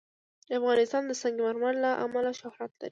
افغانستان د سنگ مرمر له امله شهرت لري.